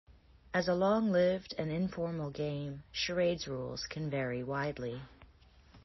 As a long-lived and informal game, charades' rules can vary widely.